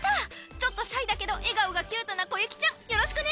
ちょっとシャイだけど笑顔がキュートなコユキちゃんよろしくね！